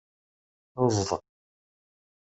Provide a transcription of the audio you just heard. Ezḍ.